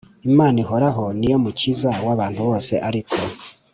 Imana ihoraho ari yo Mukiza w abantu bose ariko